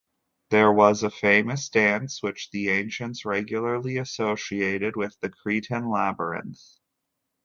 There was a famous dance which the ancients regularly associated with the Cretan labyrinth.